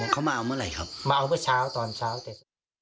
เขามาเอาเมื่อไหร่ครับมาเอาเมื่อเช้าตอนเช้าเสร็จ